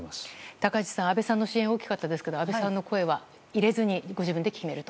高市さん、安倍さんの支援が大きかったですけど安倍さんの声は入れずにご自分で決めると？